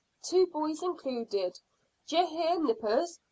Two boys included. D'yer hear, nippers?